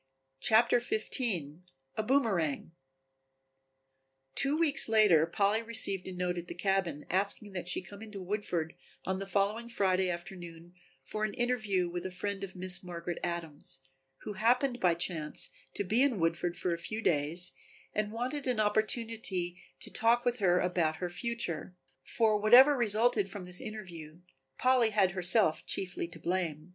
CHAPTER XV A Boomerang Two weeks later Polly received a note at the cabin asking that she come into Woodford on the following Friday afternoon for an interview with a friend of Miss Margaret Adams, who happened by chance to be in Woodford for a few days and wanted an opportunity for talking with her about her future. For whatever resulted from this interview Polly had herself chiefly to blame.